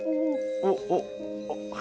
おっおっ。